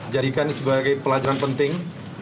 jadikan sebagai pelajaran penting